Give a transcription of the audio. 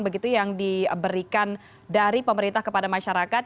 begitu yang diberikan dari pemerintah kepada masyarakat